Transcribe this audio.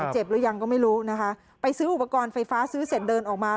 หรือยังก็ไม่รู้นะคะไปซื้ออุปกรณ์ไฟฟ้าซื้อเสร็จเดินออกมา